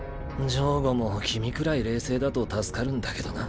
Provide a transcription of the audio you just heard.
漏瑚も君くらい冷静だと助かるんだけどな。